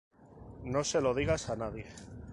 No se lo digas a nadie".